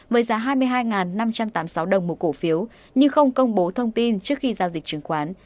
với giá hai mươi hai năm trăm tám mươi sáu đồng một cổ phiếu nhưng không công bố thông tin trước khi giao dịch chứng khoán